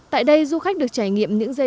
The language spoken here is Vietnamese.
tại đây du khách được trải nghiệm những dây bàn